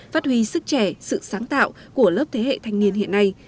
phát huy sức trẻ sự sáng tạo của lớp thế hệ thanh niên hiện nay